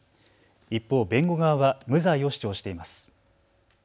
一方、弁護側は無罪を主張しています。